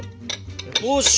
よし！